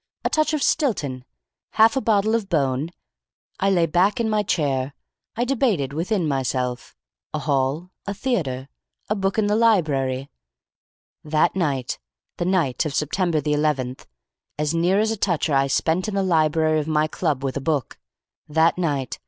A touch of Stilton. Half a bottle of Beaune. I lay back in my chair. I debated within myself. A Hall? A theatre? A book in the library? That night, the night of September the eleventh, I as near as a toucher spent in the library of my club with a book. That night!